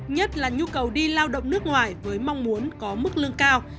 nhất là nhu cầu đi lao động nước ngoài với mong muốn có mức lương cao